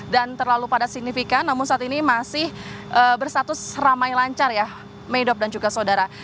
dan terlalu padat signifikan namun saat ini masih bersatus ramai lancar ya medop dan juga saudara